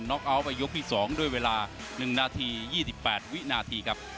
็อกเอาท์ไปยกที่๒ด้วยเวลา๑นาที๒๘วินาทีครับ